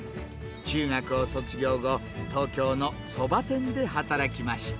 中学を卒業後、東京のそば店で働きました。